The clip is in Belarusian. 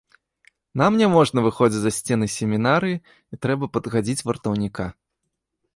Нам няможна выходзіць за сцены семінарыі і трэба падгадзіць вартаўніка.